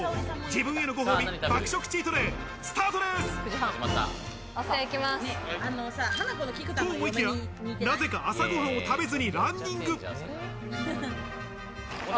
自分へのご褒美爆食チートデイスタートです。と思いきや、なぜか朝ご飯を食べずにランニング。